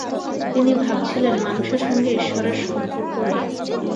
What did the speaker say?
তিনি ভাবছিলেন, মানুষের সঙ্গে ঈশ্বরের সম্পর্ক নিয়ে।